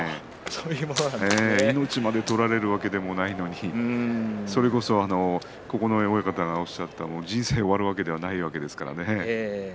命まで取られるわけでもないのに九重親方がおっしゃったように人生終わるわけではないですからね。